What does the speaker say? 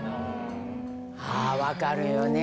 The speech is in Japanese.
あ分かるよね。